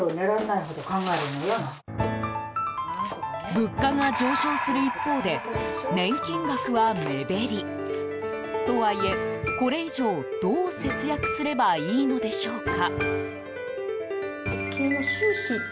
物価が上昇する一方で年金額は目減り。とはいえ、これ以上どう節約すればいいのでしょうか。